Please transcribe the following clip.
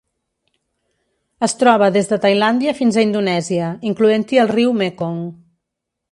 Es troba des de Tailàndia fins a Indonèsia, incloent-hi el riu Mekong.